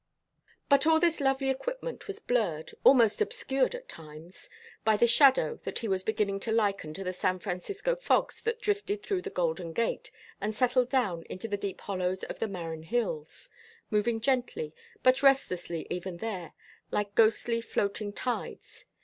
But all this lovely equipment was blurred, almost obscured at times, by the shadow that he was beginning to liken to the San Francisco fogs that drifted through the Golden Gate and settled down into the deep hollows of the Marin hills; moving gently but restlessly even there, like ghostly floating tides.